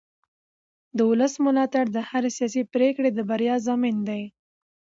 د ولس ملاتړ د هرې سیاسي پرېکړې د بریا ضامن دی